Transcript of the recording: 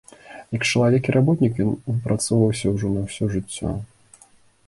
Як чалавек і работнік ён выпрацоўваўся ўжо на ўсё жыццё.